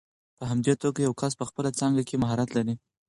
په همدې توګه یو کس په خپله څانګه کې مهارت لري.